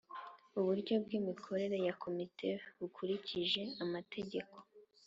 Uburyo bw’ imikorere ya Komite bukirikije amategeko